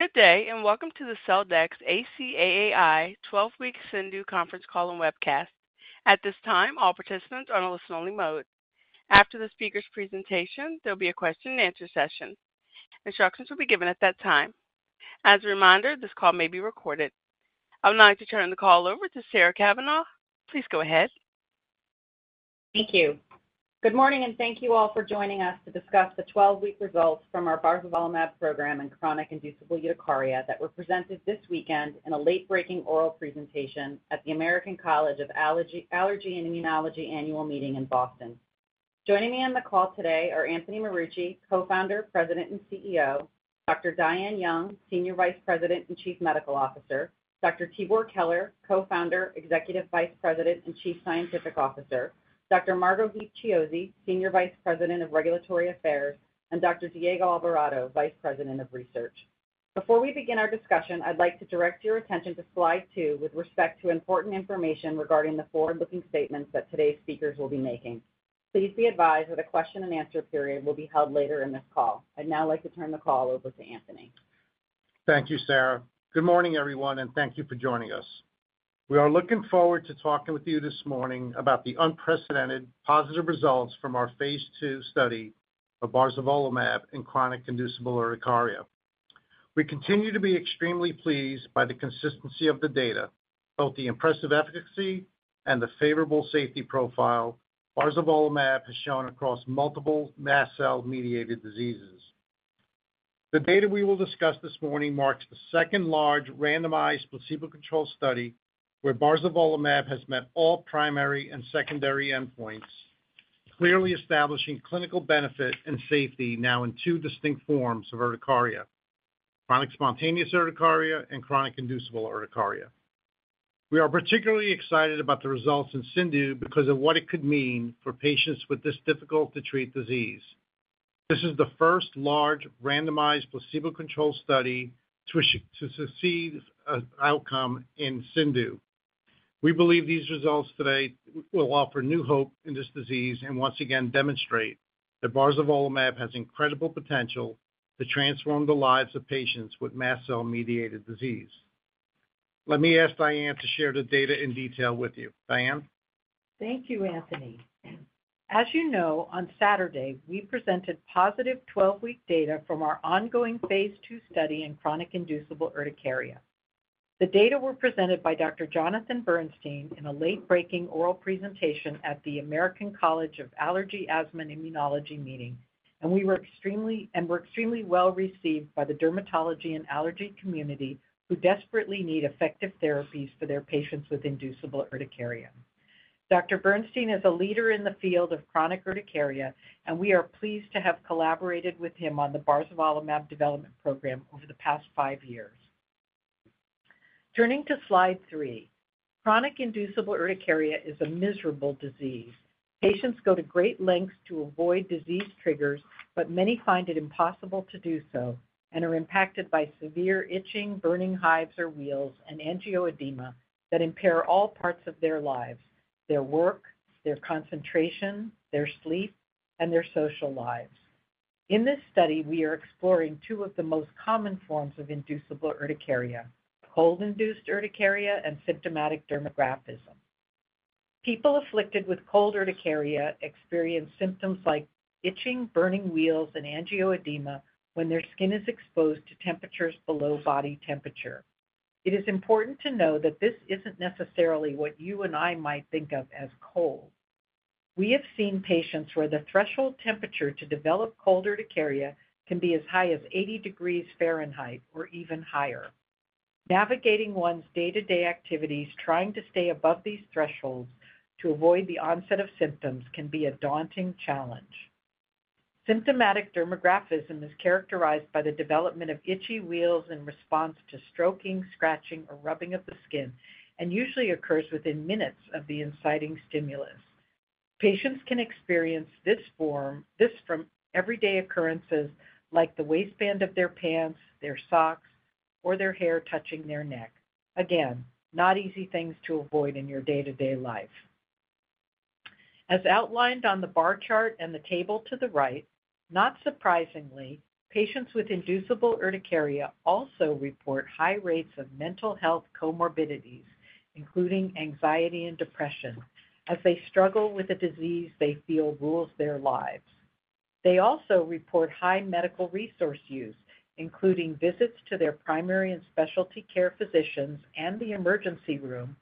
Good day, and welcome to the Celldex ACAAI twelve week CIndU conference call and webcast. At this time, all participants are on a listen-only mode. After the speaker's presentation, there'll be a question and answer session. Instructions will be given at that time. As a reminder, this call may be recorded. I would now like to turn the call over to Sarah Cavanaugh. Please go ahead. Thank you. Good morning, and thank you all for joining us to discuss the twelve-week results from our Barzollvolimab program in chronic inducible urticaria that were presented this weekend in a late-breaking oral presentation at the American College of Allergy, Asthma, and Immunology Annual Meeting in Boston. Joining me on the call today are Anthony Marucci, Co-founder, President, and CEO; Dr. Diane Young, Senior Vice President and Chief Medical Officer Dr. Tibor Keler, Co-founder, Executive Vice President, and Chief Scientific Officer; Dr. Margo Heath-Chiozzi, Senior Vice President of Regulatory Affairs; and Dr. Diego Alvarado, Vice President of Research. Before we begin our discussion, I'd like to direct your attention to slide two with respect to important information regarding the forward-looking statements that today's speakers will be making. Please be advised that a question and answer period will be held later in this call. I'd now like to turn the call over to Anthony. Thank you, Sarah. Good morning, everyone, and thank you for joining us. We are looking forward to talking with you this morning about the unprecedented positive results from our phase two study of Barzollvolimab in chronic inducible urticaria. We continue to be extremely pleased by the consistency of the data, both the impressive efficacy and the favorable safety profile Barzollvolimab has shown across multiple mast cell-mediated diseases. The data we will discuss this morning marks the second large randomized placebo-controlled study where Barzollvolimab has met all primary and secondary endpoints, clearly establishing clinical benefit and safety now in two distinct forms of urticaria: chronic spontaneous urticaria and chronic inducible urticaria. We are particularly excited about the results in CIndU because of what it could mean for patients with this difficult-to-treat disease. This is the first large randomized placebo-controlled study to succeed in CIndU. We believe these results today will offer new hope in this disease and once again demonstrate that barzolvolimab has incredible potential to transform the lives of patients with mast cell-mediated disease. Let me ask Diane to share the data in detail with you. Diane? Thank you, Anthony. As you know, on Saturday, we presented positive 12-week data from our ongoing phase two study in chronic inducible urticaria. The data were presented by Dr. Jonathan Bernstein in a late-breaking oral presentation at the American College of Allergy, Asthma, and Immunology meeting, and we were extremely well-received by the dermatology and allergy community, who desperately need effective therapies for their patients with inducible urticaria. Dr. Bernstein is a leader in the field of chronic urticaria, and we are pleased to have collaborated with him on the Barzollvolimab development program over the past five years. Turning to slide 3, chronic inducible urticaria is a miserable disease. Patients go to great lengths to avoid disease triggers, but many find it impossible to do so and are impacted by severe itching, burning hives or wheals, and angioedema that impair all parts of their lives: their work, their concentration, their sleep, and their social lives. In this study, we are exploring two of the most common forms of inducible urticaria, cold urticaria and symptomatic dermographism. People afflicted with cold urticaria experience symptoms like itching, burning wheals, and angioedema when their skin is exposed to temperatures below body temperature. It is important to know that this isn't necessarily what you and I might think of as cold. We have seen patients where the threshold temperature to develop cold urticaria can be as high as eighty degrees Fahrenheit or even higher. Navigating one's day-to-day activities, trying to stay above these thresholds to avoid the onset of symptoms, can be a daunting challenge. Symptomatic dermographism is characterized by the development of itchy wheals in response to stroking, scratching, or rubbing of the skin and usually occurs within minutes of the inciting stimulus. Patients can experience this form from everyday occurrences like the waistband of their pants, their socks, or their hair touching their neck. Again, not easy things to avoid in your day-to-day life. As outlined on the bar chart and the table to the right, not surprisingly, patients with inducible urticaria also report high rates of mental health comorbidities, including anxiety and depression, as they struggle with a disease they feel rules their lives. They also report high medical resource use, including visits to their primary and specialty care physicians and the emergency room,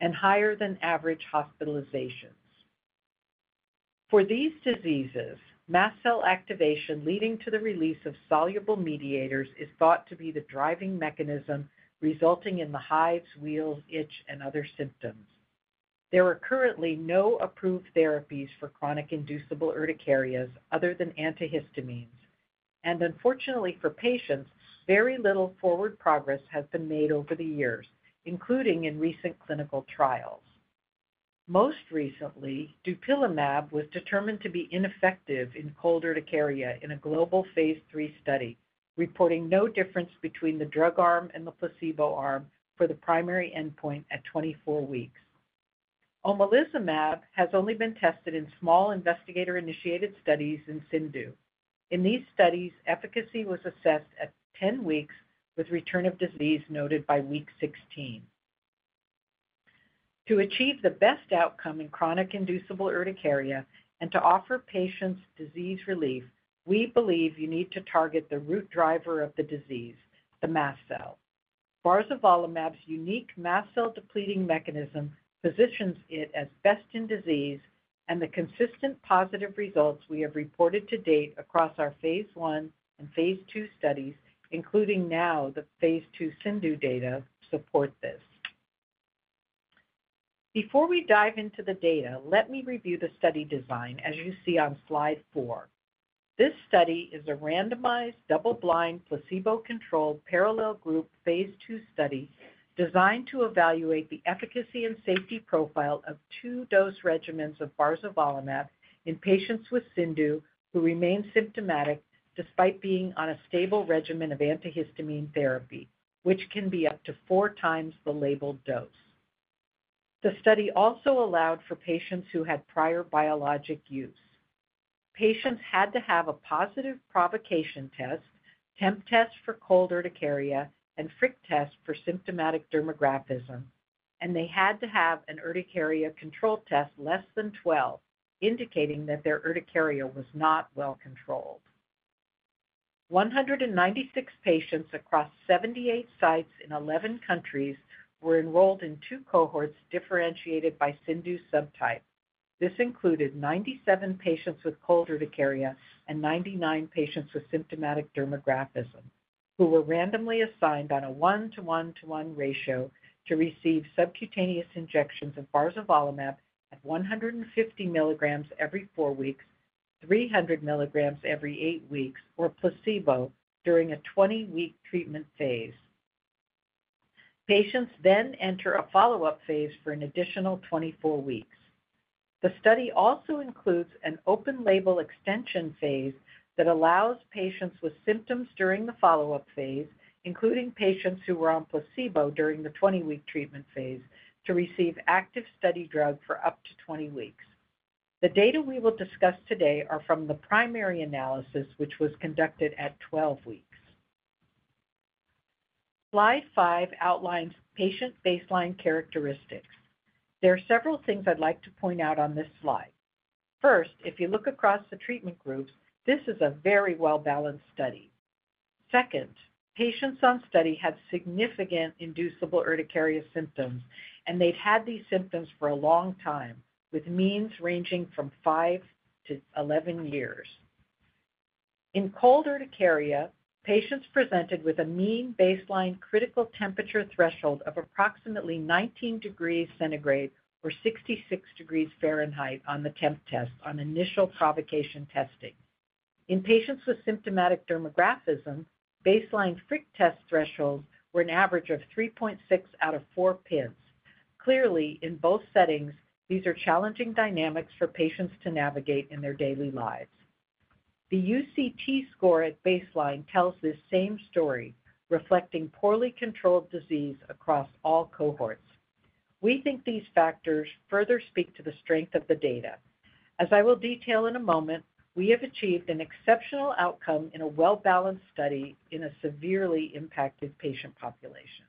and higher than average hospitalizations. For these diseases, mast cell activation, leading to the release of soluble mediators, is thought to be the driving mechanism resulting in the hives, wheals, itch, and other symptoms. There are currently no approved therapies for chronic inducible urticarias other than antihistamines, and unfortunately for patients, very little forward progress has been made over the years, including in recent clinical trials. Most recently, dupilumab was determined to be ineffective in cold urticaria in a global phase 3 study, reporting no difference between the drug arm and the placebo arm for the primary endpoint at 24 weeks. Omalizumab has only been tested in small investigator-initiated studies in CIndU. In these studies, efficacy was assessed at 10 weeks, with return of disease noted by week 16. To achieve the best outcome in chronic inducible urticaria and to offer patients disease relief, we believe you need to target the root driver of the disease, the mast cell. Barzolvolimab's unique mast cell-depleting mechanism positions it as best in disease, and the consistent positive results we have reported to date across our phase 1 and phase 2 studies, including now the phase 2 CIndU data, support this. Before we dive into the data, let me review the study design, as you see on slide four. This study is a randomized, double-blind, placebo-controlled, parallel group, phase 2 study designed to evaluate the efficacy and safety profile of two dose regimens of Barzollumab in patients with CIndU who remain symptomatic despite being on a stable regimen of antihistamine therapy, which can be up to four times the labeled dose. The study also allowed for patients who had prior biologic use. Patients had to have a positive provocation test, TempTest for cold urticaria, and FricTest for symptomatic dermographism, and they had to have an Urticaria Control Test less than twelve, indicating that their urticaria was not well controlled. One hundred and ninety-six patients across seventy-eight sites in eleven countries were enrolled in two cohorts differentiated by CIndU subtype. This included ninety-seven patients with cold urticaria and ninety-nine patients with symptomatic dermographism, who were randomly assigned on a one-to-one-to-one ratio to receive subcutaneous injections of Barzollvolimab at one hundred and fifty milligrams every four weeks, three hundred milligrams every eight weeks, or placebo during a twenty-week treatment phase. Patients then enter a follow-up phase for an additional twenty-four weeks. The study also includes an open-label extension phase that allows patients with symptoms during the follow-up phase, including patients who were on placebo during the twenty-week treatment phase, to receive active study drug for up to twenty weeks. The data we will discuss today are from the primary analysis, which was conducted at twelve weeks. Slide five outlines patient baseline characteristics. There are several things I'd like to point out on this slide. First, if you look across the treatment groups, this is a very well-balanced study. Second, patients on study had significant inducible urticaria symptoms, and they'd had these symptoms for a long time, with means ranging from five to eleven years. In cold urticaria, patients presented with a mean baseline critical temperature threshold of approximately nineteen degrees centigrade or sixty-six degrees Fahrenheit on the TempTest on initial provocation testing. In patients with symptomatic dermographism, baseline FricTest thresholds were an average of 3.6 out of 4 pins. Clearly, in both settings, these are challenging dynamics for patients to navigate in their daily lives. The UCT score at baseline tells this same story, reflecting poorly controlled disease across all cohorts. We think these factors further speak to the strength of the data. As I will detail in a moment, we have achieved an exceptional outcome in a well-balanced study in a severely impacted patient population.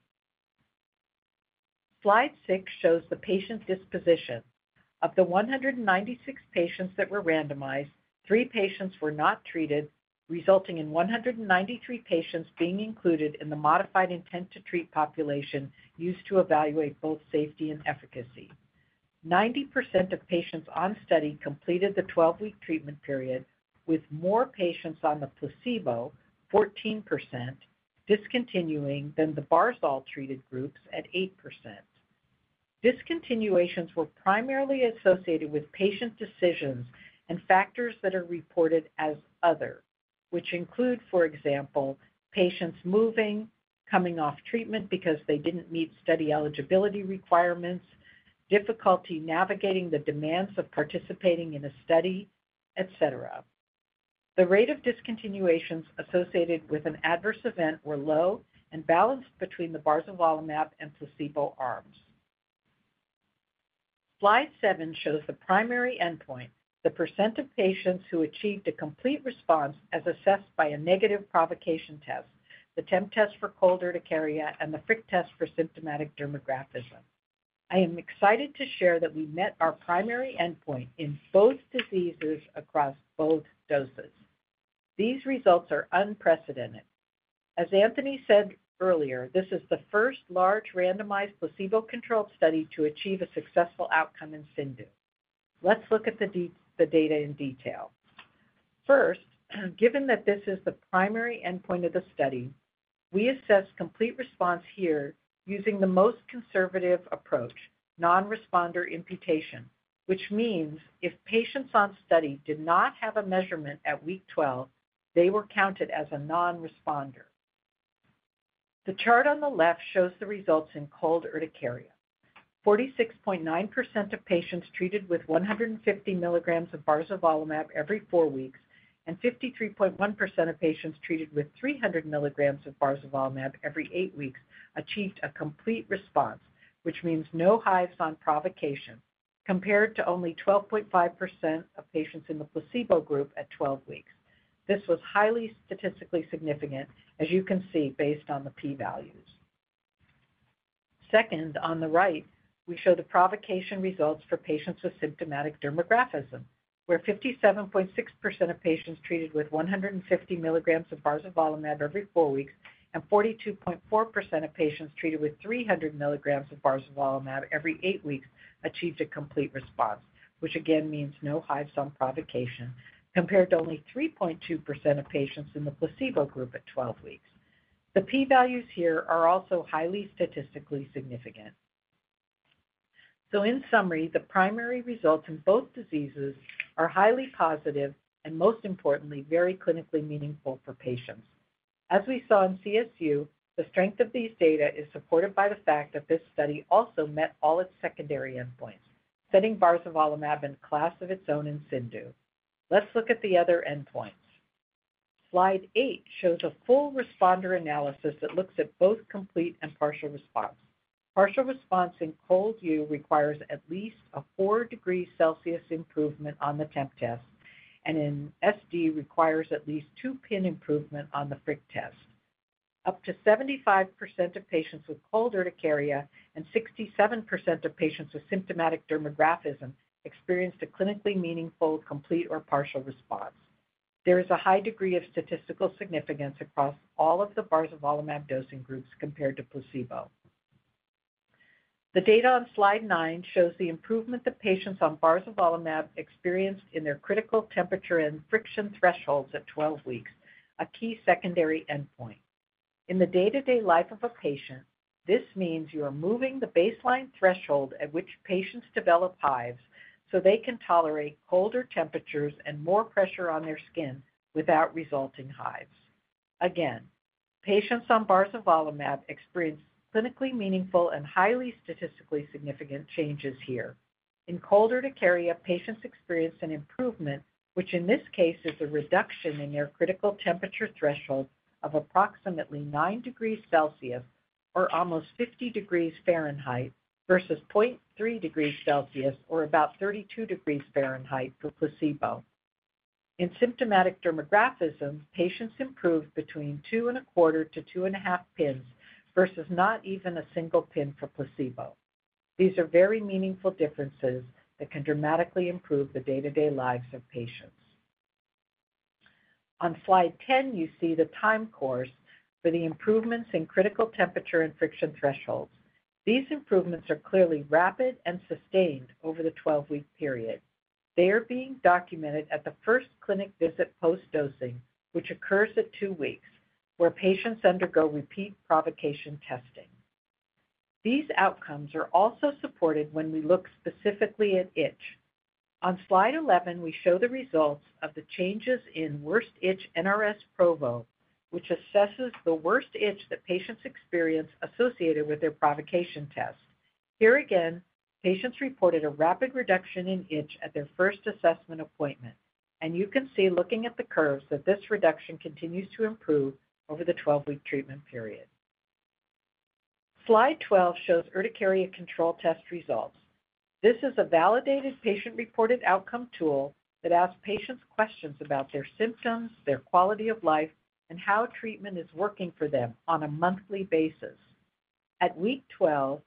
Slide 6 shows the patient disposition. Of the 196 patients that were randomized, 3 patients were not treated, resulting in 193 patients being included in the modified intent-to-treat population used to evaluate both safety and efficacy. 90% of patients on study completed the 12-week treatment period, with more patients on the placebo, 14%, discontinuing than the Barzollumab-treated groups at 8%. Discontinuations were primarily associated with patient decisions and factors that are reported as Other, which include, for example, patients moving, coming off treatment because they didn't meet study eligibility requirements, difficulty navigating the demands of participating in a study, et cetera. The rate of discontinuations associated with an adverse event were low and balanced between the Barzollumab and placebo arms. Slide 7 shows the primary endpoint, the percent of patients who achieved a complete response as assessed by a negative provocation test, the TempTest for cold urticaria, and the FricTest for symptomatic dermographism. I am excited to share that we met our primary endpoint in both diseases across both doses. These results are unprecedented. As Anthony said earlier, this is the first large randomized placebo-controlled study to achieve a successful outcome in CIndU. Let's look at the data in detail. First, given that this is the primary endpoint of the study, we assess complete response here using the most conservative approach, non-responder imputation, which means if patients on study did not have a measurement at week 12, they were counted as a non-responder. The chart on the left shows the results in cold urticaria. 46.9% of patients treated with 150 milligrams of Barzollumab every four weeks, and 53.1% of patients treated with 300 milligrams of Barzollumab every eight weeks, achieved a complete response, which means no hives on provocation, compared to only 12.5% of patients in the placebo group at 12 weeks. This was highly statistically significant, as you can see, based on the p-values. Second, on the right, we show the provocation results for patients with symptomatic dermographism, where 57.6% of patients treated with 150 milligrams of Barzollumab every four weeks, and 42.4% of patients treated with 300 milligrams of Barzollumab every eight weeks, achieved a complete response, which again, means no hives on provocation, compared to only 3.2% of patients in the placebo group at 12 weeks. The p-values here are also highly statistically significant. So in summary, the primary results in both diseases are highly positive and most importantly, very clinically meaningful for patients. As we saw in CSU, the strength of these data is supported by the fact that this study also met all its secondary endpoints, setting Barzollvolimab in a class of its own in CIndU. Let's look at the other endpoints. Slide eight shows a full responder analysis that looks at both complete and partial response. Partial response in ColdU requires at least a four-degree Celsius improvement on the TempTest, and in SD, requires at least two-pin improvement on the FricTest. Up to 75% of patients with cold urticaria and 67% of patients with symptomatic dermographism experienced a clinically meaningful, complete or partial response. There is a high degree of statistical significance across all of the Barzollvolimab dosing groups compared to placebo. The data on slide nine shows the improvement that patients on Barzollumab experienced in their critical temperature and friction thresholds at twelve weeks, a key secondary endpoint. In the day-to-day life of a patient, this means you are moving the baseline threshold at which patients develop hives, so they can tolerate colder temperatures and more pressure on their skin without resulting hives. Again, patients on Barzollumab experienced clinically meaningful and highly statistically significant changes here. In cold urticaria, patients experienced an improvement, which in this case, is a reduction in their critical temperature threshold of approximately nine degrees Celsius, or almost fifty degrees Fahrenheit, versus point three degrees Celsius, or about thirty-two degrees Fahrenheit for placebo. In symptomatic dermographism, patients improved between two and a quarter to two and a half pins versus not even a single pin for placebo. These are very meaningful differences that can dramatically improve the day-to-day lives of patients. On Slide 10, you see the time course for the improvements in critical temperature and friction thresholds. These improvements are clearly rapid and sustained over the 12-week period. They are being documented at the first clinic visit post-dosing, which occurs at 2 weeks, where patients undergo repeat provocation testing. These outcomes are also supported when we look specifically at itch. On Slide 11, we show the results of the changes in worst itch NRS provo, which assesses the worst itch that patients experience associated with their provocation test. Here again, patients reported a rapid reduction in itch at their first assessment appointment, and you can see, looking at the curves, that this reduction continues to improve over the 12-week treatment period. Slide 12 shows urticaria control test results. This is a validated patient-reported outcome tool that asks patients questions about their symptoms, their quality of life, and how treatment is working for them on a monthly basis. At week twelve,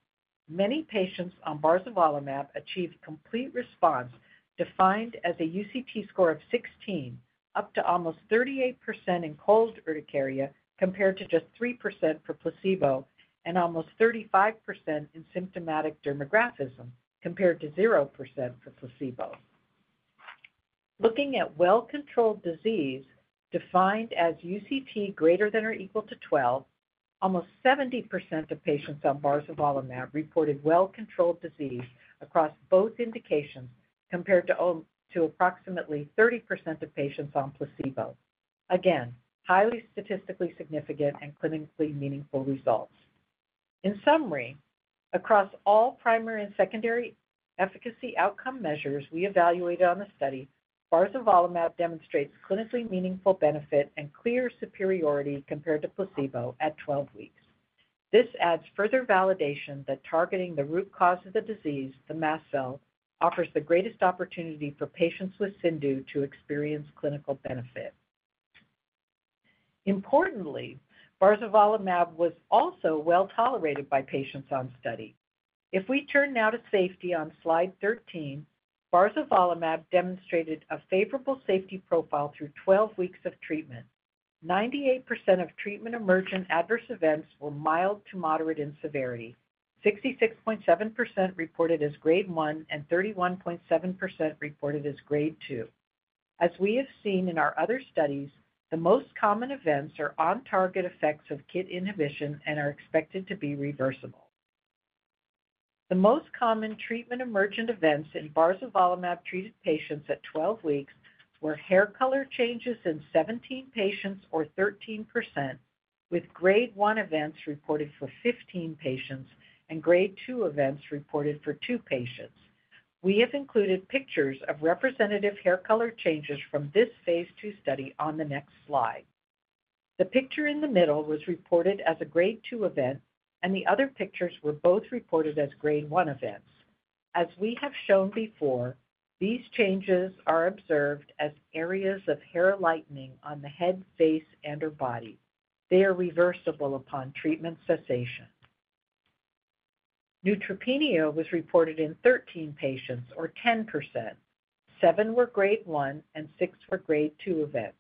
many patients on Barzollvolimab achieved complete response, defined as a UCT score of sixteen, up to almost 38% in cold urticaria, compared to just 3% for placebo, and almost 35% in symptomatic dermographism, compared to 0% for placebo. Looking at well-controlled disease, defined as UCT greater than or equal to twelve, almost 70% of patients on Barzollvolimab reported well-controlled disease across both indications, compared to approximately 30% of patients on placebo. Again, highly statistically significant and clinically meaningful results. In summary, across all primary and secondary efficacy outcome measures we evaluated on the study, Barzollvolimab demonstrates clinically meaningful benefit and clear superiority compared to placebo at twelve weeks. This adds further validation that targeting the root cause of the disease, the mast cell, offers the greatest opportunity for patients with CIndU to experience clinical benefit. Importantly, Barzollvolimab was also well tolerated by patients on study. If we turn now to safety on slide 13, Barzollvolimab demonstrated a favorable safety profile through 12 weeks of treatment. 98% of treatment-emergent adverse events were mild to moderate in severity. 66.7% reported as Grade One, and 31.7% reported as Grade Two. As we have seen in our other studies, the most common events are on-target effects of KIT inhibition and are expected to be reversible. The most common treatment-emergent events in Barzollvolimab-treated patients at 12 weeks were hair color changes in 17 patients, or 13%, with Grade One events reported for 15 patients and Grade Two events reported for 2 patients. We have included pictures of representative hair color changes from this phase 2 study on the next slide. The picture in the middle was reported as a Grade Two event, and the other pictures were both reported as Grade One events. As we have shown before, these changes are observed as areas of hair lightening on the head, face, and/or body. They are reversible upon treatment cessation. Neutropenia was reported in 13 patients, or 10%. Seven were Grade One, and six were Grade Two events.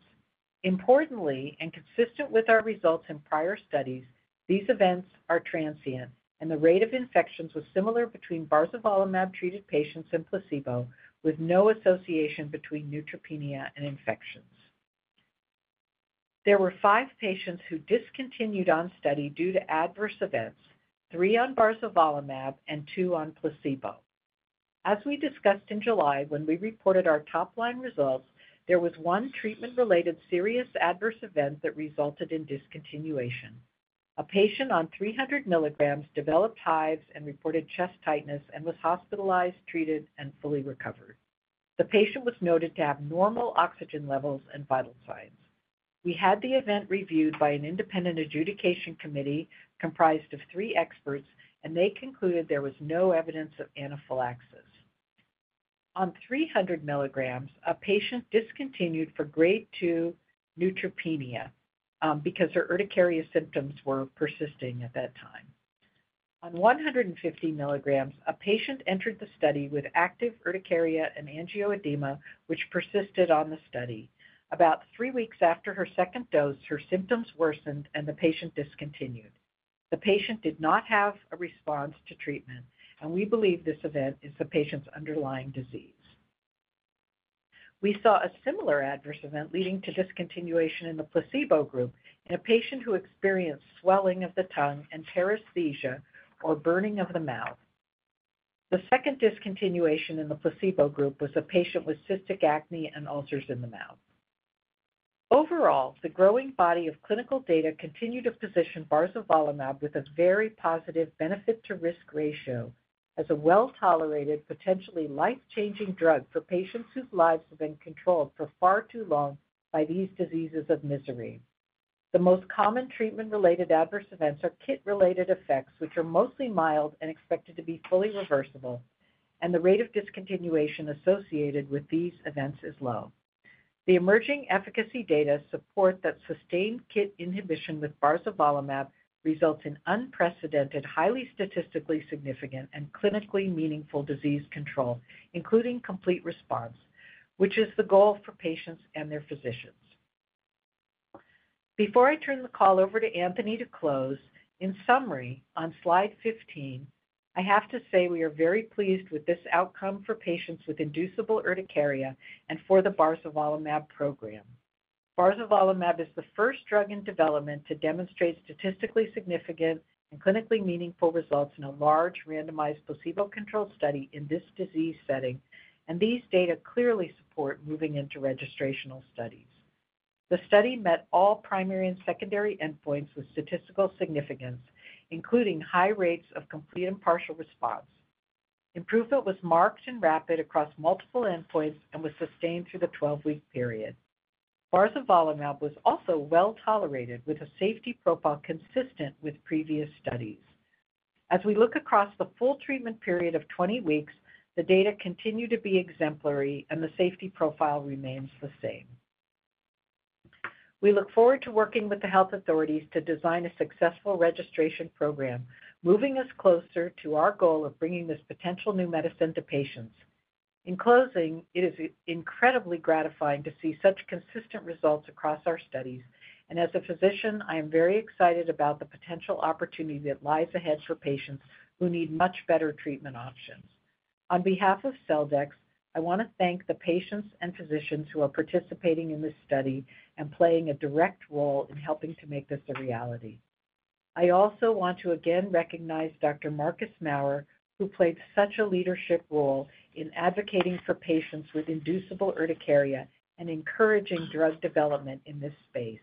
Importantly, and consistent with our results in prior studies, these events are transient, and the rate of infections was similar between Barzollumab-treated patients and placebo, with no association between neutropenia and infections. There were 5 patients who discontinued on study due to adverse events, 3 on Barzollumab and 2 on placebo. As we discussed in July when we reported our top-line results, there was one treatment-related serious adverse event that resulted in discontinuation. A patient on 300 milligrams developed hives and reported chest tightness and was hospitalized, treated, and fully recovered. The patient was noted to have normal oxygen levels and vital signs. We had the event reviewed by an independent adjudication committee comprised of three experts, and they concluded there was no evidence of anaphylaxis. On 300 milligrams, a patient discontinued for Grade Two neutropenia because her urticaria symptoms were persisting at that time. On 150 milligrams, a patient entered the study with active urticaria and angioedema, which persisted on the study. About three weeks after her second dose, her symptoms worsened, and the patient discontinued. The patient did not have a response to treatment, and we believe this event is the patient's underlying disease. We saw a similar adverse event leading to discontinuation in the placebo group in a patient who experienced swelling of the tongue and paresthesia or burning of the mouth. The second discontinuation in the placebo group was a patient with cystic acne and ulcers in the mouth. Overall, the growing body of clinical data continue to position Barzollumab with a very positive benefit-to-risk ratio as a well-tolerated, potentially life-changing drug for patients whose lives have been controlled for far too long by these diseases of misery. The most common treatment-related adverse events are KIT-related effects, which are mostly mild and expected to be fully reversible, and the rate of discontinuation associated with these events is low. The emerging efficacy data support that sustained KIT inhibition with Barzolvolimab results in unprecedented, highly statistically significant, and clinically meaningful disease control, including complete response, which is the goal for patients and their physicians. Before I turn the call over to Anthony to close, in summary, on slide 15, I have to say we are very pleased with this outcome for patients with inducible urticaria and for the Barzolvolimab program. Barzolvolimab is the first drug in development to demonstrate statistically significant and clinically meaningful results in a large, randomized, placebo-controlled study in this disease setting, and these data clearly support moving into registrational studies. The study met all primary and secondary endpoints with statistical significance, including high rates of complete and partial response. Improvement was marked and rapid across multiple endpoints and was sustained through the 12-week period. Barzolvolimab was also well-tolerated, with a safety profile consistent with previous studies. As we look across the full treatment period of twenty weeks, the data continue to be exemplary, and the safety profile remains the same. We look forward to working with the health authorities to design a successful registration program, moving us closer to our goal of bringing this potential new medicine to patients. In closing, it is incredibly gratifying to see such consistent results across our studies, and as a physician, I am very excited about the potential opportunity that lies ahead for patients who need much better treatment options. On behalf of Celldex, I want to thank the patients and physicians who are participating in this study and playing a direct role in helping to make this a reality. I also want to again recognize Dr. Marcus Maurer, who played such a leadership role in advocating for patients with inducible urticaria and encouraging drug development in this space.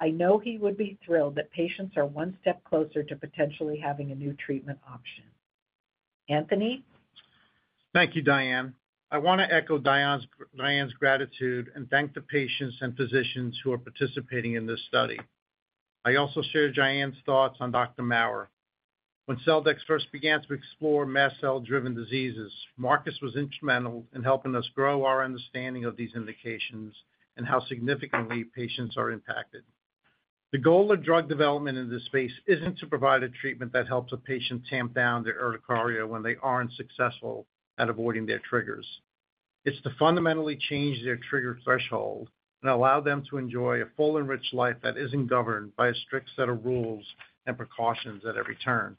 I know he would be thrilled that patients are one step closer to potentially having a new treatment option. Anthony? Thank you, Diane. I want to echo Diane's gratitude and thank the patients and physicians who are participating in this study. I also share Diane's thoughts on Dr. Maurer. When Celldex first began to explore mast cell-driven diseases, Marcus was instrumental in helping us grow our understanding of these indications and how significantly patients are impacted. The goal of drug development in this space isn't to provide a treatment that helps a patient tamp down their urticaria when they aren't successful at avoiding their triggers. It's to fundamentally change their trigger threshold and allow them to enjoy a full and rich life that isn't governed by a strict set of rules and precautions at every turn.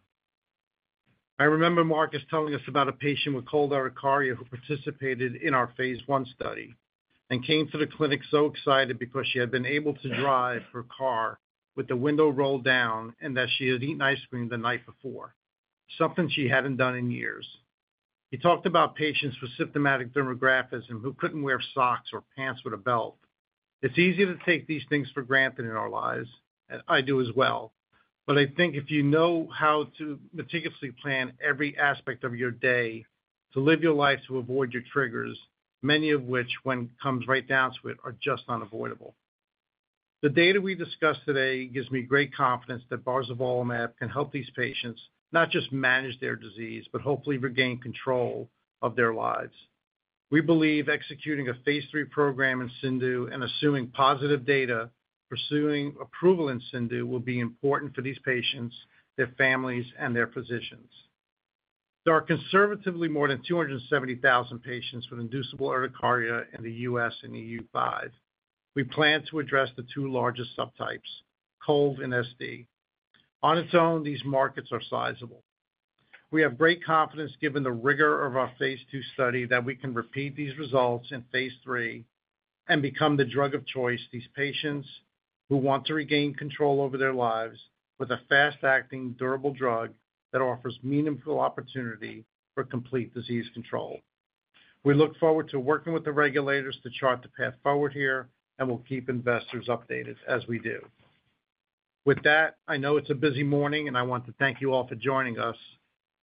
I remember Marcus telling us about a patient with cold urticaria who participated in our phase one study and came to the clinic so excited because she had been able to drive her car with the window rolled down, and that she had eaten ice cream the night before, something she hadn't done in years. He talked about patients with symptomatic dermographism who couldn't wear socks or pants with a belt. It's easy to take these things for granted in our lives, and I do as well, but I think if you know how to meticulously plan every aspect of your day, to live your life, to avoid your triggers, many of which, when it comes right down to it, are just unavoidable. The data we discussed today gives me great confidence that Barzollumab can help these patients not just manage their disease, but hopefully regain control of their lives. We believe executing a phase 3 program in CIndU and assuming positive data, pursuing approval in CIndU will be important for these patients, their families, and their physicians. There are conservatively more than 270,000 patients with inducible urticaria in the U.S. and EU5. We plan to address the two largest subtypes, cold and SD. On its own, these markets are sizable. We have great confidence, given the rigor of our phase 2 study, that we can repeat these results in phase 3 and become the drug of choice for these patients who want to regain control over their lives with a fast-acting, durable drug that offers meaningful opportunity for complete disease control. We look forward to working with the regulators to chart the path forward here, and we'll keep investors updated as we do. With that, I know it's a busy morning, and I want to thank you all for joining us.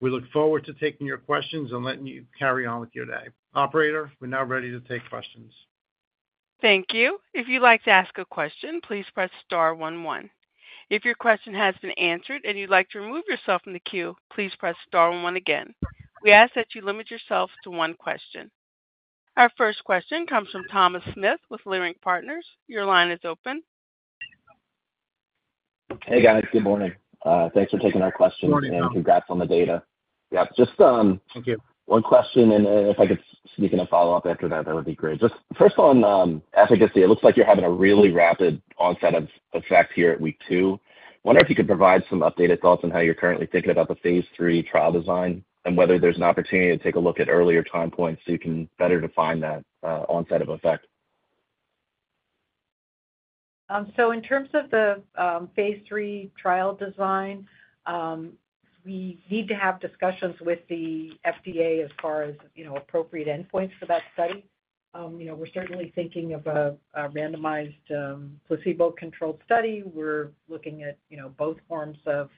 We look forward to taking your questions and letting you carry on with your day. Operator, we're now ready to take questions. Thank you. If you'd like to ask a question, please press star one, one. If your question has been answered and you'd like to remove yourself from the queue, please press star one one again. We ask that you limit yourself to one question. Our first question comes from Thomas Smith with Leerink Partners. Your line is open. Hey, guys. Good morning. Thanks for taking our question. Good morning, Tom and congrats on the data. Yeah, just, Thank you. One question, and, if I could sneak in a follow-up after that, that would be great. Just first on efficacy, it looks like you're having a really rapid onset of effect here at week two. I wonder if you could provide some updated thoughts on how you're currently thinking about the Phase III trial design and whether there's an opportunity to take a look at earlier time points so you can better define that onset of effect. So in terms of the Phase III trial design, we need to have discussions with the FDA as far as, you know, appropriate endpoints for that study. You know, we're certainly thinking of a randomized placebo-controlled study. We're looking at, you know, both forms of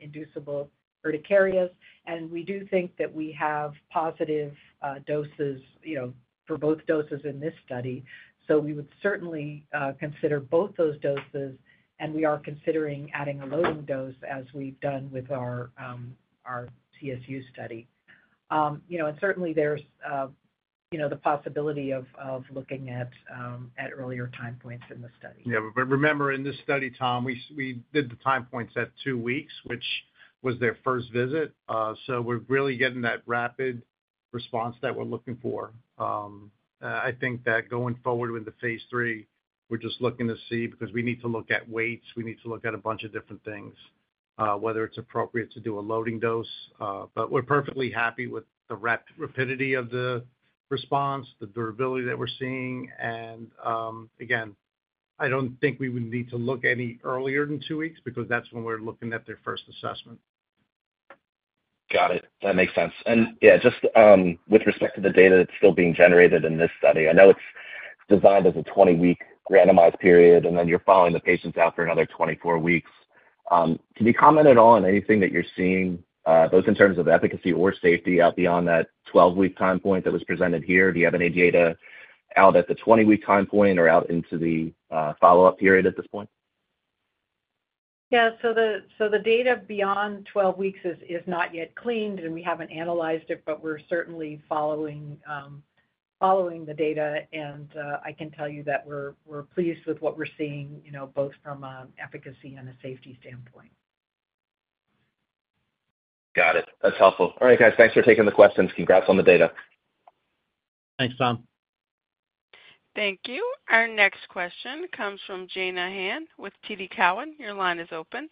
inducible urticarias, and we do think that we have positive doses, you know, for both doses in this study. So we would certainly consider both those doses, and we are considering adding a loading dose as we've done with our CSU study. You know, and certainly there's you know, the possibility of looking at earlier time points in the study. Yeah, but remember, in this study, Tom, we did the time points at two weeks, which was their first visit. So we're really getting that rapid response that we're looking for. I think that going forward with the Phase III, we're just looking to see, because we need to look at weights, we need to look at a bunch of different things, whether it's appropriate to do a loading dose. But we're perfectly happy with the rapidity of the response, the durability that we're seeing. And, again, I don't think we would need to look any earlier than two weeks because that's when we're looking at their first assessment. Got it. That makes sense. And, yeah, just, with respect to the data that's still being generated in this study, I know it's designed as a twenty-week randomized period, and then you're following the patients out for another twenty-four weeks. Can you comment at all on anything that you're seeing, both in terms of efficacy or safety out beyond that twelve-week time point that was presented here? Do you have any data out at the twenty-week time point or out into the follow-up period at this point? Yeah, so the data beyond 12 weeks is not yet cleaned, and we haven't analyzed it, but we're certainly following the data. And I can tell you that we're pleased with what we're seeing, you know, both from an efficacy and a safety standpoint. Got it. That's helpful. All right, guys, thanks for taking the questions. Congrats on the data. Thanks, Tom. Thank you. Our next question comes from Yaron Werber with TD Cowen. Your line is open.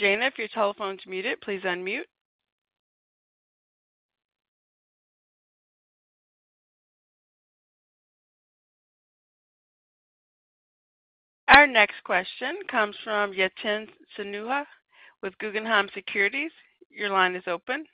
Yaron, if your telephone's muted, please unmute. Our next question comes from Yatin Suneja with Guggenheim Securities. Your line is open.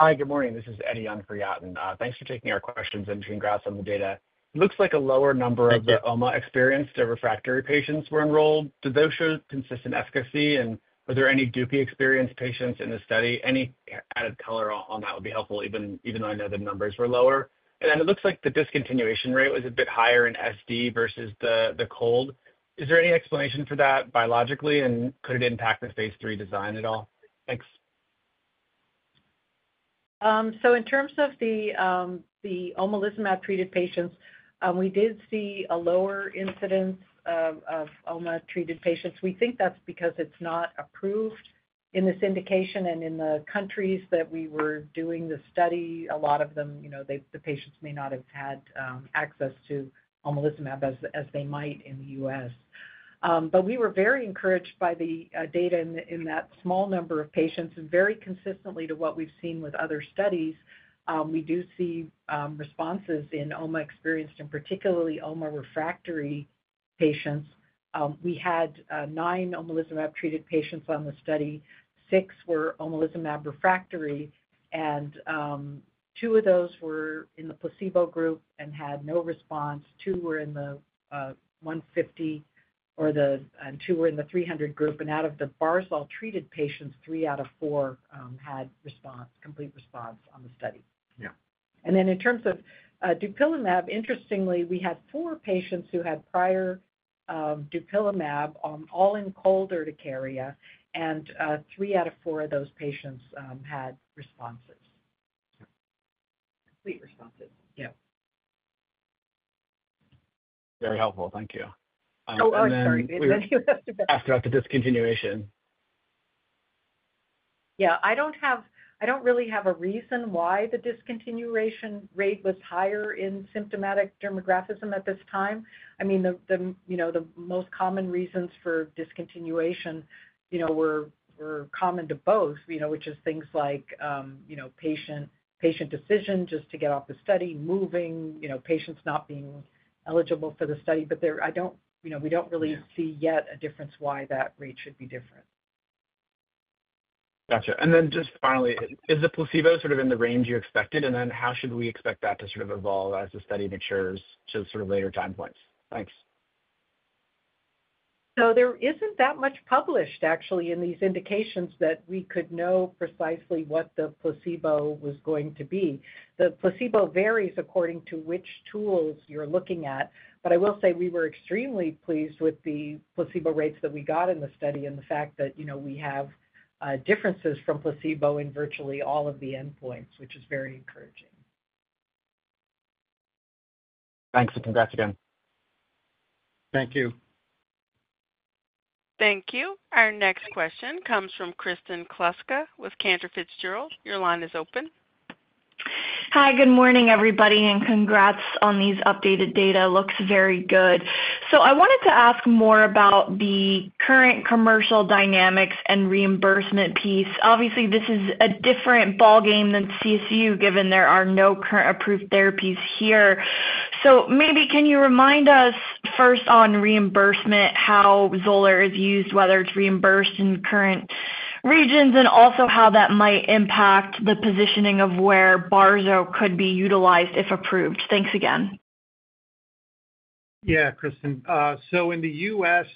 Hi, good morning. This is Eddie on for Yatin. Thanks for taking our questions and congrats on the data. Thank you. Looks like a lower number of the omalizumab-experienced or refractory patients were enrolled. Did those show consistent efficacy, and were there any Dupixent-experienced patients in the study? Any added color on that would be helpful, even though I know the numbers were lower. And then it looks like the discontinuation rate was a bit higher in SD versus the cold. Is there any explanation for that biologically, and could it impact the phase 3 design at all? Thanks. So in terms of the omalizumab-treated patients, we did see a lower incidence of OMA-treated patients. We think that's because it's not approved in this indication. And in the countries that we were doing the study, a lot of them, you know, the patients may not have had access to omalizumab as they might in the US. But we were very encouraged by the data in that small number of patients, and very consistently to what we've seen with other studies, we do see responses in OMA-experienced and particularly OMA-refractory patients. We had nine omalizumab-treated patients on the study. Six were omalizumab refractory, and two of those were in the placebo group and had no response. Two were in the one fifty or the, and two were in the three hundred group. Out of the Barzollvolimab-treated patients, three out of four had response, complete response on the study. Yeah. And then in terms of dupilumab, interestingly, we had four patients who had prior dupilumab, all in cold urticaria, and three out of four of those patients had responses. Complete responses, yeah. Very helpful. Thank you. Oh, I'm sorry. And then we asked about the discontinuation. Yeah, I don't have – I don't really have a reason why the discontinuation rate was higher in symptomatic dermographism at this time. I mean, you know, the most common reasons for discontinuation, you know, were common to both, you know, which is things like, you know, patient decision just to get off the study, moving, you know, patients not being eligible for the study. But there – I don't, you know, we don't really- Yeah see yet a difference why that rate should be different. Gotcha. And then just finally, is the placebo sort of in the range you expected? And then how should we expect that to sort of evolve as the study matures to sort of later time points? Thanks. So there isn't that much published actually in these indications that we could know precisely what the placebo was going to be. The placebo varies according to which tools you're looking at. But I will say we were extremely pleased with the placebo rates that we got in the study and the fact that, you know, we have differences from placebo in virtually all of the endpoints, which is very encouraging. Thanks again. Thank you. Thank you. Our next question comes from Kristen Kluska with Cantor Fitzgerald. Your line is open. Hi, good morning, everybody, and congrats on these updated data. Looks very good. So I wanted to ask more about the current commercial dynamics and reimbursement piece. Obviously, this is a different ballgame than CSU, given there are no current approved therapies here. So maybe can you remind us, first on reimbursement, how Xolair is used, whether it's reimbursed in current regions, and also how that might impact the positioning of where Barzollvolimab could be utilized, if approved? Thanks again. Yeah, Kristen. So in the U.S.,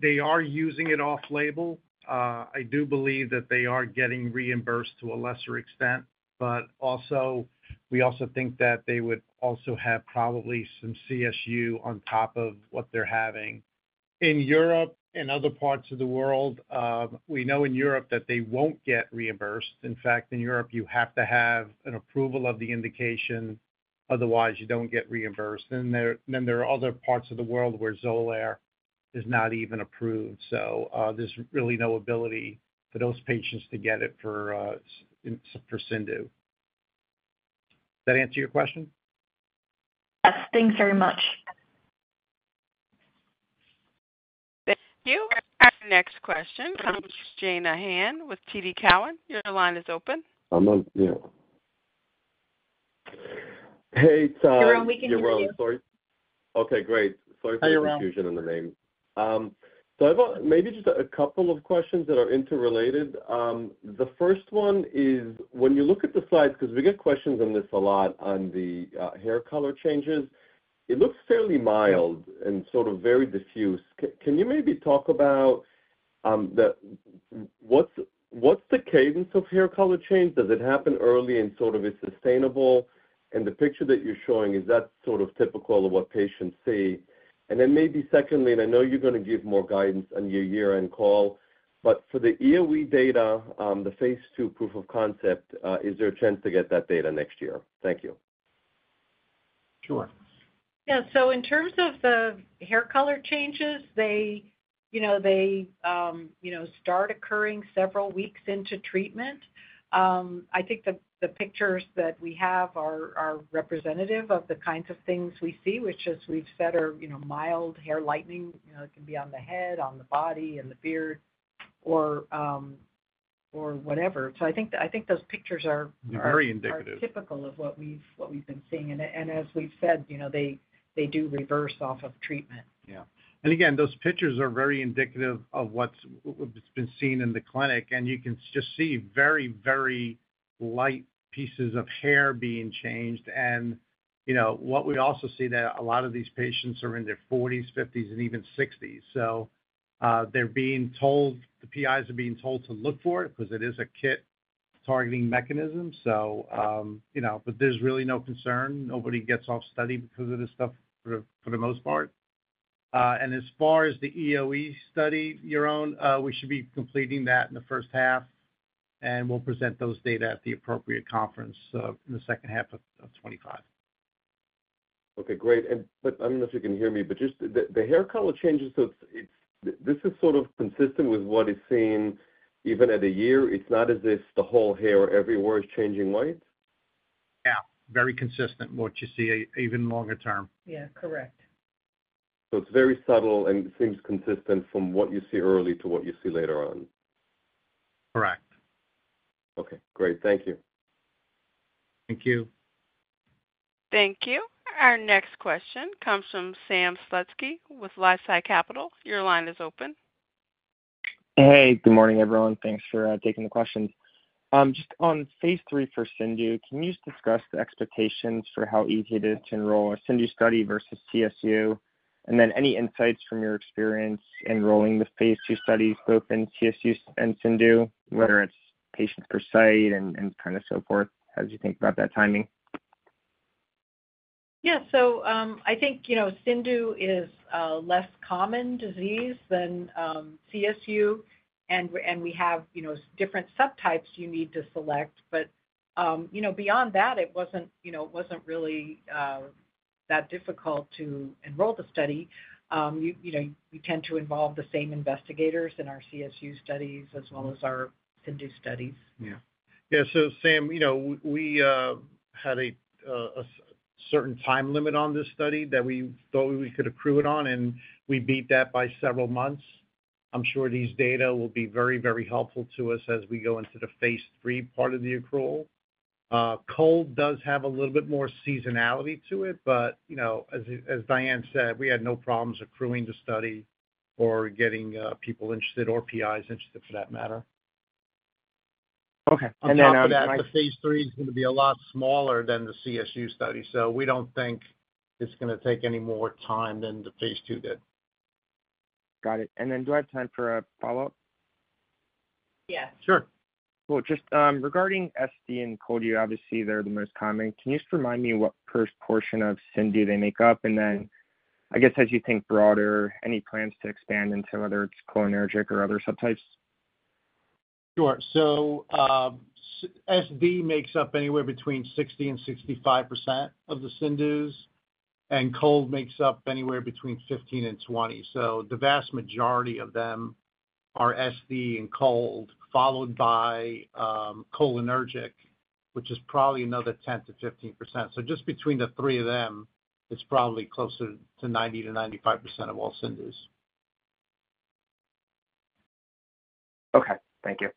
they are using it off-label. I do believe that they are getting reimbursed to a lesser extent, but also, we also think that they would also have probably some CSU on top of what they're having. In Europe and other parts of the world, we know in Europe that they won't get reimbursed. In fact, in Europe, you have to have an approval of the indication, otherwise you don't get reimbursed. Then there are other parts of the world where Xolair is not even approved, so there's really no ability for those patients to get it for CIndU. Does that answer your question? Yes. Thanks very much. Thank you. Our next question comes from Yaron Werber with TD Cowen. Your line is open. I'm on, yeah. Hey, it's, Yaron, we can hear you. Yaron, sorry. Okay, great. Hi, Yaron. Sorry for the confusion on the name. So I've got maybe just a couple of questions that are interrelated. The first one is, when you look at the slides, because we get questions on this a lot on the hair color changes, it looks fairly mild and sort of very diffuse. Can you maybe talk about what's the cadence of hair color change? Does it happen early and sort of is sustainable? And the picture that you're showing, is that sort of typical of what patients see? And then maybe secondly, and I know you're going to give more guidance on your year-end call, but for the EoE data, the phase two proof of concept, is there a chance to get that data next year? Thank you. Sure. Yeah, so in terms of the hair color changes, they, you know, start occurring several weeks into treatment. I think the pictures that we have are representative of the kinds of things we see, which, as we've said, are, you know, mild hair lightening. You know, it can be on the head, on the body, in the beard, or whatever. So I think those pictures are Very indicative are typical of what we've been seeing. And as we've said, you know, they do reverse off of treatment. Yeah. And again, those pictures are very indicative of what's been seen in the clinic, and you can just see very, very light pieces of hair being changed. And you know, what we also see that a lot of these patients are in their forties, fifties, and even sixties. So, they're being told, the PIs are being told to look for it because it is a KIT-targeting mechanism. So, you know, but there's really no concern. Nobody gets off study because of this stuff for the most part. And as far as the EoE study, Yaron, we should be completing that in the first half, and we'll present those data at the appropriate conference in the second half of 2025. Okay, great. And but I don't know if you can hear me, but just the hair color changes, so it's this is sort of consistent with what is seen even at a year. It's not as if the whole hair everywhere is changing white? Yeah, very consistent, what you see even longer term. Yeah, correct. So it's very subtle, and it seems consistent from what you see early to what you see later on. Correct. Okay, great. Thank you. Thank you. Thank you. Our next question comes from Sam Slutsky with LifeSci Capital. Your line is open. Hey, good morning, everyone. Thanks for taking the questions. Just on Phase III for CIndU, can you just discuss the expectations for how easy it is to enroll a CIndU study versus CSU? And then any insights from your experience enrolling the phase two studies, both in CSU and CIndU, whether it's patients per site and kind of so forth, as you think about that timing? Yeah. So, I think, you know, CIndU is a less common disease than CSU, and we have different subtypes you need to select. But, you know, beyond that, it wasn't really that difficult to enroll the study. You know, we tend to involve the same investigators in our CSU studies as well as our CIndU studies. Yeah. Yeah, so Sam, you know, we had a certain time limit on this study that we thought we could accrue it on, and we beat that by several months. I'm sure these data will be very, very helpful to us as we go into the Phase III part of the accrual. Cold does have a little bit more seasonality to it, but, you know, as Diane said, we had no problems accruing the study or getting people interested, or PIs interested, for that matter. Okay, and then On top of that, the Phase III is gonna be a lot smaller than the CSU study, so we don't think it's gonna take any more time than the phase two did. Got it, and then do I have time for a follow-up? Yeah. Sure. Cool. Just, regarding SD and cold, obviously, they're the most common. Can you just remind me what portion of CIndU they make up? And then, I guess, as you think broader, any plans to expand into whether it's cholinergic or other subtypes? Sure. So, SD makes up anywhere between 60%-65% of the CIndU, and cold makes up anywhere between 15%-20%. So the vast majority of them are SD and cold, followed by cholinergic, which is probably another 10%-15%. So just between the three of them, it's probably closer to 90%-95% of all CIndU. Okay, thank you.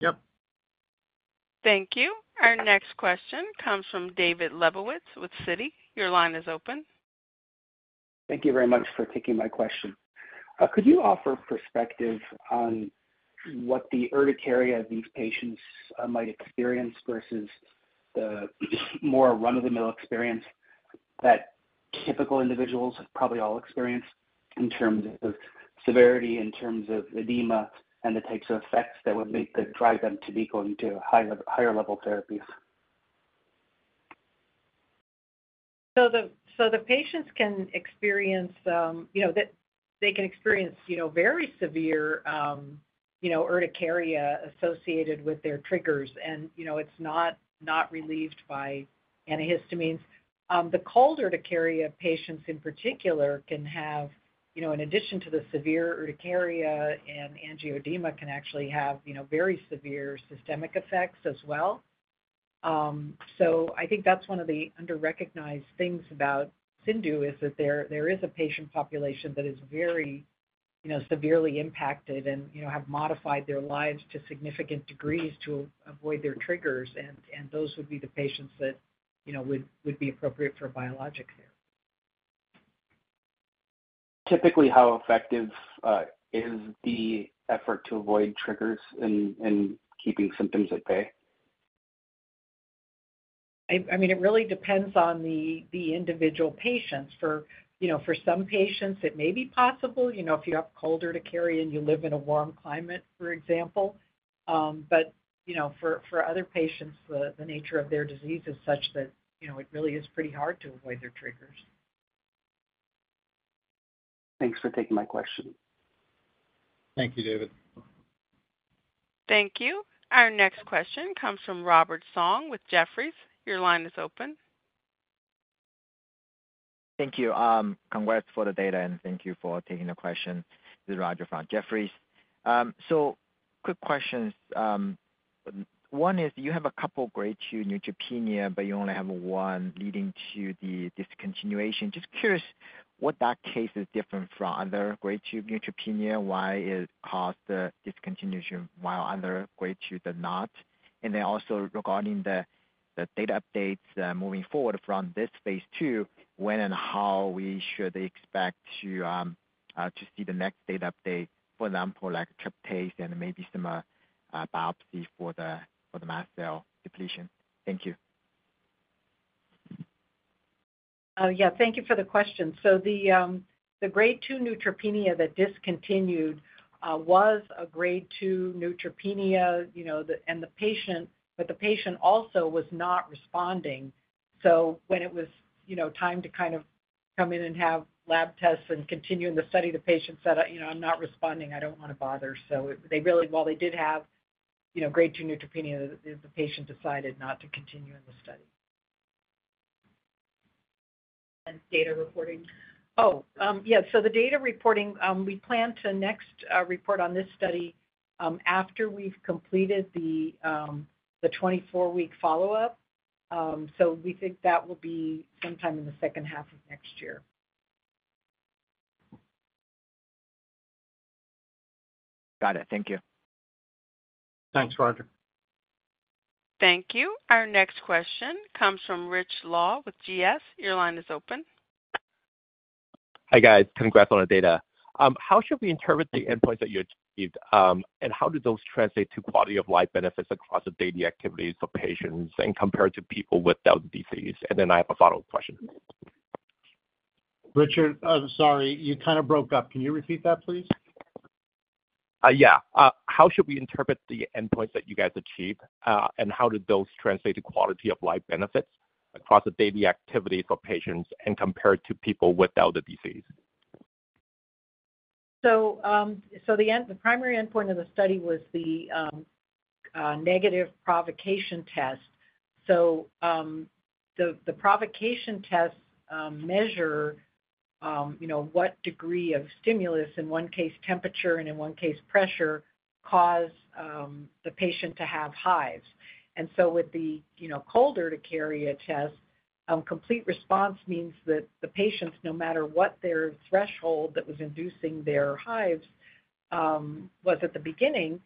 Yep. Thank you. Our next question comes from David Lebowitz with Citi. Your line is open. Thank you very much for taking my question. Could you offer perspective on what the urticaria of these patients might experience versus the more run-of-the-mill experience that typical individuals have probably all experienced in terms of severity, in terms of edema, and the types of effects that would make, that drive them to be going to higher level therapies? The patients can experience, you know, that they can experience, you know, very severe urticaria associated with their triggers, and, you know, it's not relieved by antihistamines. The cold urticaria patients, in particular, can have, you know, in addition to the severe urticaria and angioedema, can actually have, you know, very severe systemic effects as well. I think that's one of the underrecognized things about CIndU, is that there is a patient population that is very, you know, severely impacted and, you know, have modified their lives to significant degrees to avoid their triggers, and those would be the patients that, you know, would be appropriate for biologic care. Typically, how effective is the effort to avoid triggers in keeping symptoms at bay? I mean, it really depends on the individual patients. For, you know, for some patients, it may be possible, you know, if you have cold urticaria and you live in a warm climate, for example. But, you know, for other patients, the nature of their disease is such that, you know, it really is pretty hard to avoid their triggers. Thanks for taking my question. Thank you, David. Thank you. Our next question comes from Roger Song with Jefferies. Your line is open. Thank you. Congrats for the data, and thank you for taking the question. This is Roger from Jefferies. So quick questions. One is, you have a couple of grade two neutropenia, but you only have one leading to the discontinuation. Just curious what that case is different from other grade two neutropenia, why it caused the discontinuation, while other grade two did not? And then also, regarding the data updates, moving forward from this phase two, when and how we should expect to to see the next data update, for example, like tryptase and maybe some biopsy for the mast cell depletion? Thank you. Yeah, thank you for the question. So the grade two neutropenia that discontinued was a grade two neutropenia, you know, and the patient, but the patient also was not responding. So when it was, you know, time to kind of come in and have lab tests and continue in the study, the patient said, "You know, I'm not responding. I don't wanna bother." So they really, while they did have, you know, grade two neutropenia, the patient decided not to continue in the study. Data reporting? Oh, yeah. So the data reporting, we plan to next report on this study after we've completed the twenty-four-week follow-up. So we think that will be sometime in the second half of next year. Got it. Thank you. Thanks, Roger. Thank you. Our next question comes from Rich Law with GS. Your line is open. Hi, guys. Congrats on the data. How should we interpret the endpoints that you achieved? And how do those translate to quality of life benefits across the daily activities for patients and compared to people without the disease? And then I have a follow-up question. Richard, I'm sorry, you kind of broke up. Can you repeat that, please? Yeah. How should we interpret the endpoints that you guys achieve? and how did those translate to quality of life benefits across the daily activity for patients and compared to people without the disease? So the primary endpoint of the study was the negative provocation test. So the provocation test measure you know what degree of stimulus, in one case, temperature, and in one case, pressure, cause the patient to have hives. And so with the you know cold urticaria test, complete response means that the patients, no matter what their threshold, that was inducing their hives was at the beginning,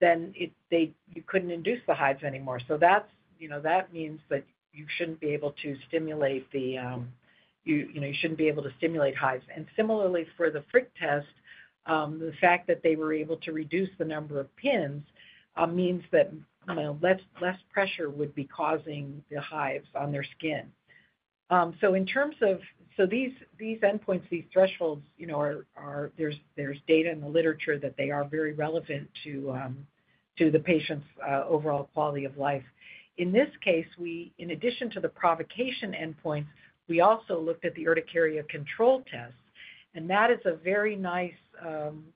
then they you couldn't induce the hives anymore. So that's you know that means that you shouldn't be able to stimulate the you know you shouldn't be able to stimulate hives. And similarly, for the FricTest, the fact that they were able to reduce the number of pins means that less pressure would be causing the hives on their skin. So in terms of... So these endpoints, these thresholds, you know, there's data in the literature that they are very relevant to the patient's overall quality of life. In this case, in addition to the provocation endpoint, we also looked at the urticaria control test, and that is a very nice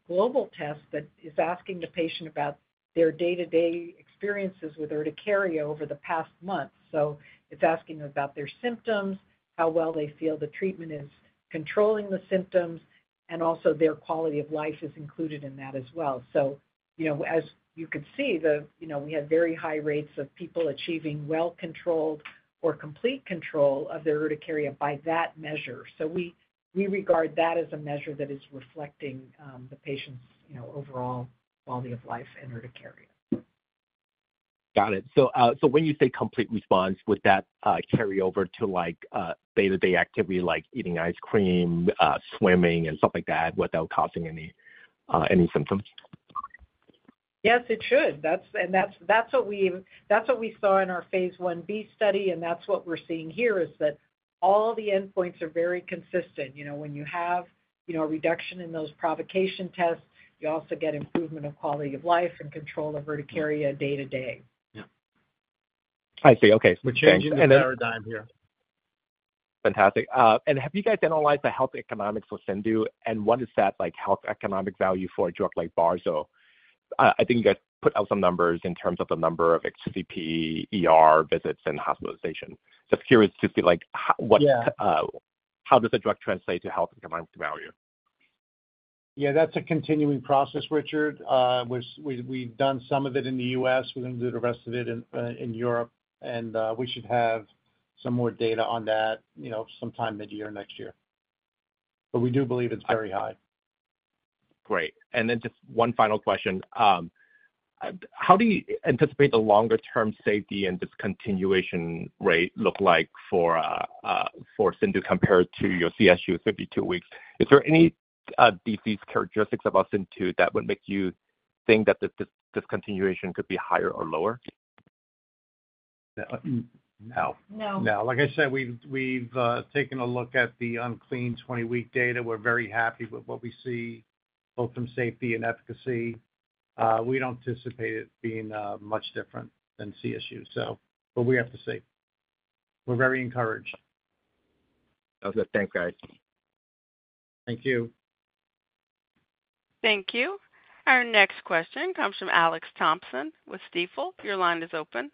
global test that is asking the patient about their day-to-day experiences with urticaria over the past month. So it's asking about their symptoms, how well they feel the treatment is controlling the symptoms, and also their quality of life is included in that as well. So, you know, as you can see, you know, we had very high rates of people achieving well controlled or complete control of their urticaria by that measure. So we regard that as a measure that is reflecting the patient's, you know, overall quality of life and urticaria. Got it. So, when you say complete response, would that carry over to, like, day-to-day activity, like eating ice cream, swimming, and stuff like that without causing any symptoms? Yes, it should. That's what we saw in our Phase 1b study, and that's what we're seeing here, is that all the endpoints are very consistent. You know, when you have, you know, a reduction in those provocation tests, you also get improvement of quality of life and control of urticaria day to day. Yeah. I see. Okay. We're changing the paradigm here. Fantastic. And have you guys analyzed the health economics for CIndU? And what is that like, health economic value for a drug like Barzol? I think you guys put out some numbers in terms of the number of HCP, ER visits, and hospitalization. Just curious to see, like, how, what Yeah. How does the drug translate to health economic value? Yeah, that's a continuing process, Richard. We've done some of it in the U.S. We're going to do the rest of it in Europe, and we should have some more data on that, you know, sometime midyear next year. But we do believe it's very high. Great. And then just one final question. How do you anticipate the longer-term safety and discontinuation rate look like for CIndU compared to your CSU 52 weeks? Is there any disease characteristics of CIndU that would make you think that the discontinuation could be higher or lower? No. No. No. Like I said, we've taken a look at the unblinded 20-week data. We're very happy with what we see, both from safety and efficacy. We don't anticipate it being much different than CSU, so... but we have to see. We're very encouraged. Okay. Thanks, guys. Thank you. Thank you. Our next question comes from Alex Thompson with Stifel. Your line is open.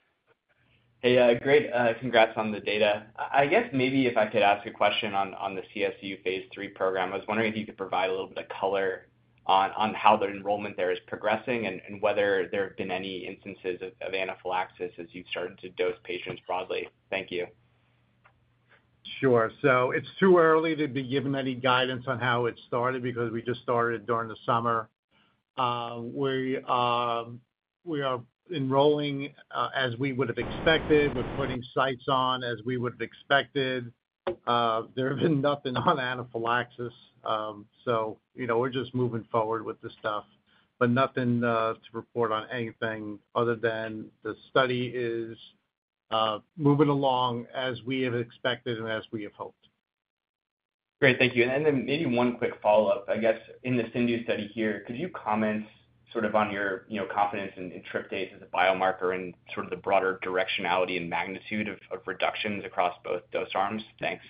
Hey, great, congrats on the data. I guess maybe if I could ask a question on the CSU Phase III program. I was wondering if you could provide a little bit of color on how the enrollment there is progressing and whether there have been any instances of anaphylaxis as you've started to dose patients broadly. Thank you. Sure. So it's too early to be giving any guidance on how it started because we just started during the summer. We are enrolling as we would have expected. We're putting sites on as we would have expected. There have been nothing on anaphylaxis, so, you know, we're just moving forward with this stuff, but nothing to report on anything other than the study is moving along as we have expected and as we have hoped. Great. Thank you. And then maybe one quick follow-up. I guess, in the CIndU study here, could you comment sort of on your, you know, confidence in tryptase as a biomarker and sort of the broader directionality and magnitude of, of reductions across both dose arms? Thanks.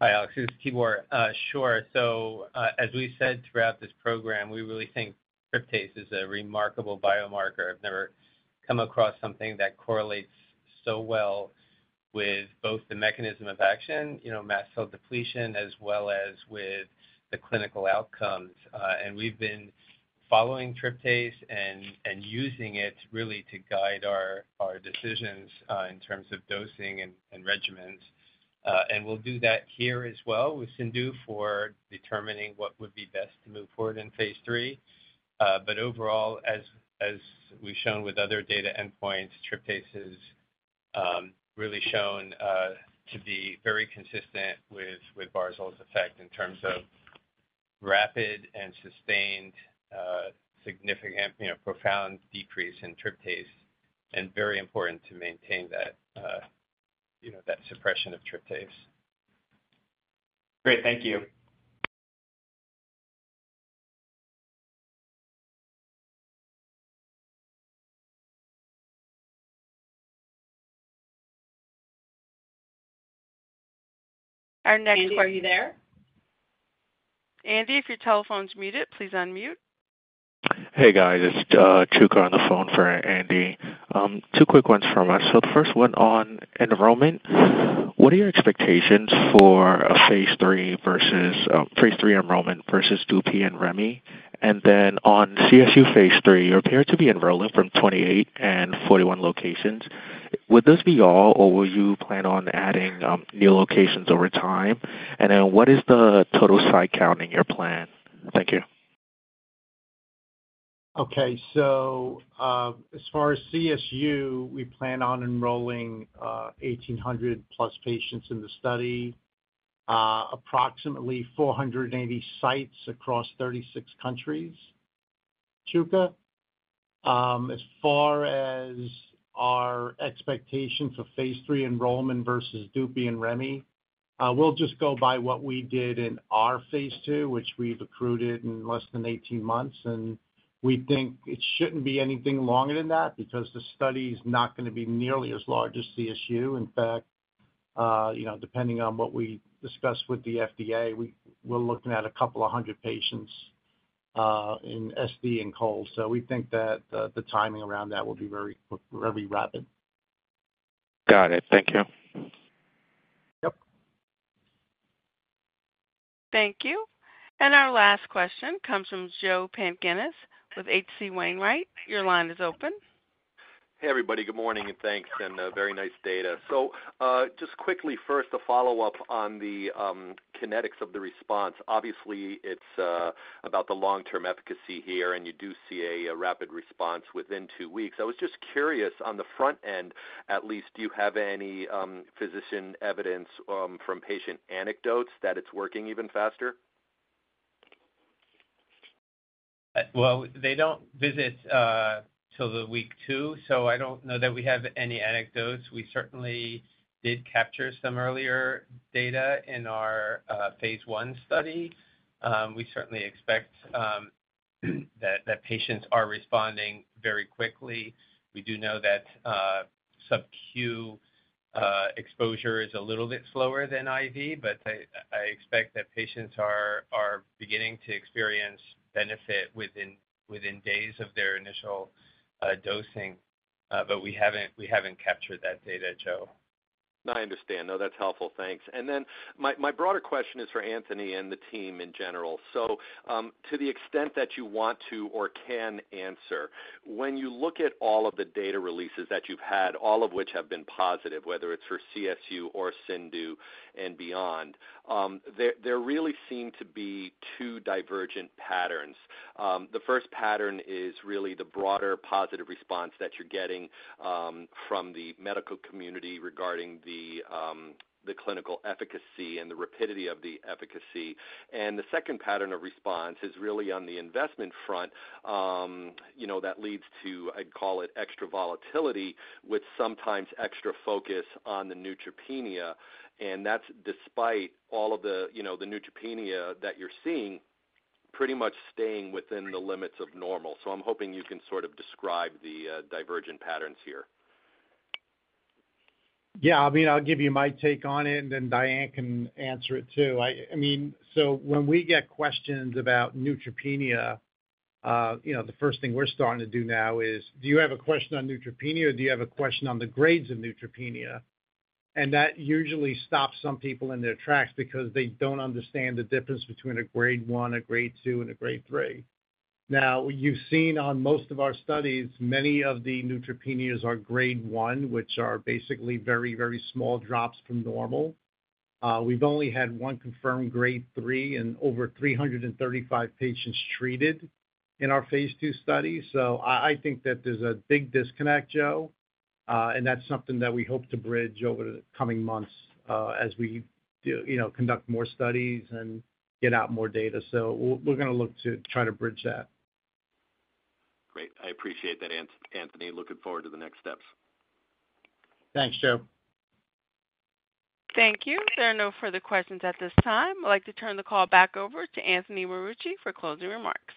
Hi, Alex, this is Tibor. Sure. As we said throughout this program, we really think tryptase is a remarkable biomarker. I've never come across something that correlates so well with both the mechanism of action, you know, mast cell depletion, as well as with the clinical outcomes. And we've been following tryptase and using it really to guide our decisions in terms of dosing and regimens. And we'll do that here as well with CIndU for determining what would be best to move forward in Phase III. But overall, as we've shown with other data endpoints, tryptase is really shown to be very consistent with Barzoll's effect in terms of rapid and sustained significant, you know, profound decrease in tryptase, and very important to maintain that, you know, that suppression of tryptase. Great. Thank you. Andy, are you there? Andy, if your telephone's muted, please unmute. Hey, guys, it's Chuka on the phone for Andy. Two quick ones from us. So the first one on enrollment. What are your expectations for a phase III versus phase III enrollment versus Dupi and Remi? And then on CSU phase III, you appear to be enrolling from 28 and 41 locations. Would this be all, or will you plan on adding new locations over time? And then what is the total site count in your plan? Thank you. Okay, so, as far as CSU, we plan on enrolling 1,800 plus patients in the study. Approximately 480 sites across 36 countries, Chuka. As far as our expectations for phase III enrollment versus Dupi and Remi, we'll just go by what we did in our phase II, which we've accrued it in less than 18 months, and we think it shouldn't be anything longer than that because the study is not gonna be nearly as large as CSU. In fact, you know, depending on what we discuss with the FDA, we're looking at a couple of hundred patients in SD and cold. So we think that the timing around that will be very quick, very rapid. Got it. Thank you. Yep. Thank you. And our last question comes from Joe Pantginis with H.C. Wainwright. Your line is open. Hey, everybody. Good morning, and thanks, and very nice data. So, just quickly, first, to follow up on the kinetics of the response. Obviously, it's about the long-term efficacy here, and you do see a rapid response within two weeks. I was just curious, on the front end, at least, do you have any physician evidence from patient anecdotes that it's working even faster? Well, they don't visit till the week two, so I don't know that we have any anecdotes. We certainly did capture some earlier data in our phase I study. We certainly expect that patients are responding very quickly. We do know that sub-Q exposure is a little bit slower than IV, but I expect that patients are beginning to experience benefit within days of their initial dosing. But we haven't captured that data, Joe. No, I understand. No, that's helpful. Thanks. And then my broader question is for Anthony and the team in general. So, to the extent that you want to or can answer, when you look at all of the data releases that you've had, all of which have been positive, whether it's for CSU or CIndU and beyond, there really seem to be two divergent patterns. The first pattern is really the broader positive response that you're getting from the medical community regarding the clinical efficacy and the rapidity of the efficacy. And the second pattern of response is really on the investment front, you know, that leads to, I'd call it, extra volatility, with sometimes extra focus on the neutropenia, and that's despite all of the, you know, the neutropenia that you're seeing, pretty much staying within the limits of normal. So I'm hoping you can sort of describe the divergent patterns here. Yeah. I mean, I'll give you my take on it, and then Diane can answer it, too. I mean, so when we get questions about neutropenia, you know, the first thing we're starting to do now is, do you have a question on neutropenia, or do you have a question on the grades of neutropenia? And that usually stops some people in their tracks because they don't understand the difference between a grade one, a grade two, and a grade three. Now, you've seen on most of our studies, many of the neutropenias are grade one, which are basically very, very small drops from normal. We've only had one confirmed grade three in over three hundred and thirty-five patients treated in our phase II study. So I think that there's a big disconnect, Joe, and that's something that we hope to bridge over the coming months, as we do, you know, conduct more studies and get out more data. So we're gonna look to try to bridge that. Great. I appreciate that, Anthony. Looking forward to the next steps. Thanks, Joe. Thank you. There are no further questions at this time. I'd like to turn the call back over to Anthony Marucci for closing remarks.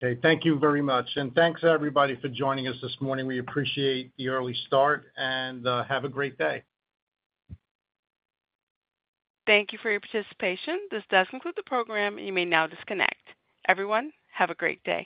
Okay, thank you very much, and thanks, everybody, for joining us this morning. We appreciate the early start, and have a great day. Thank you for your participation. This does conclude the program. You may now disconnect. Everyone, have a great day.